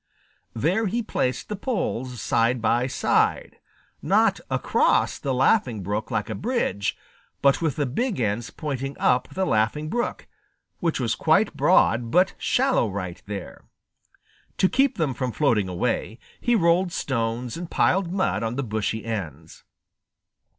There he placed the poles side by side, not across the Laughing Brook like a bridge, but with the big ends pointing up the Laughing Brook, which was quite broad but shallow right there. To keep them from floating away, he rolled stones and piled mud on the bushy ends.